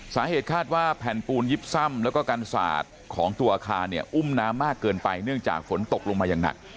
สาเหตุคาดว่าแผ่นปูนยิบซ่ำแล้วก็กันสาดของตัวอาคารเนี่ยอุ้มน้ำมากเกินไปเนื่องจากฝนตกลงมาอย่างหนัก